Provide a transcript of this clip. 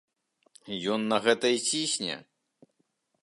Ён на гэта і цісне.